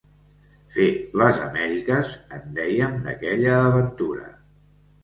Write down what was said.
Fer les Amèriques, en dèiem d'aquella aventura.